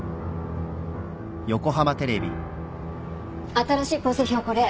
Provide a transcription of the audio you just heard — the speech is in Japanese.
新しい構成表これ。